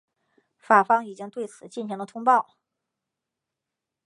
法方已经对此进行了通报。